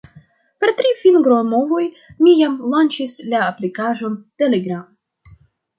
Per tri fingromovoj, mi jam lanĉis la aplikaĵon Telegram.